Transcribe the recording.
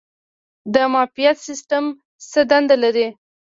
د معافیت سیستم څه دنده لري؟